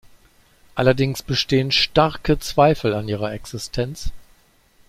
Allerdings bestehen starke Zweifel an ihrer Existenz.